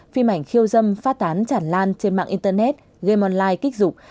phim ảnh khiêu dâm phát tán chản lan trên mạng internet game online kích dục